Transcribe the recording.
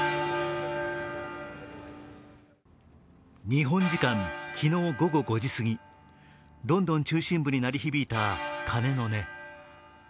日本時間昨日午後５時すぎ、ロンドン中心部に鳴り響いた鐘の音。